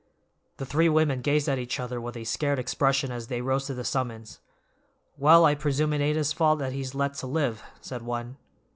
The three women gazed at each other with a scared expression as they rose to the summons. "Well, I presume it ain't his fault that he's let to live," said one.